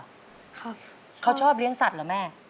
ครับเขาชอบเลี้ยงสัตว์เหรอแม่